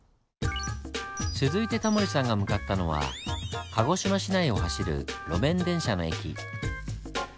続いてタモリさんが向かったのは鹿児島市内を走る路面電車の駅。